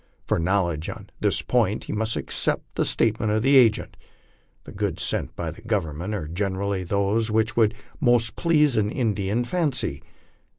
For knowledge on this point he must accept the state ment of the agent. The goods sent by the Government are generally those which would most please an Indian's fancy.